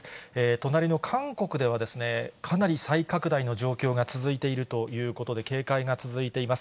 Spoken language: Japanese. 隣の韓国では、かなり再拡大の状況が続いているということで、警戒が続いています。